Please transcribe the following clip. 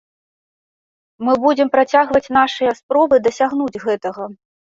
Мы будзем працягваць нашыя спробы дасягнуць гэтага.